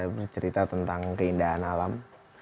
bercerita tentang keindahan alam